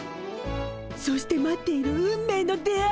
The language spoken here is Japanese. そして待っている運命の出会い。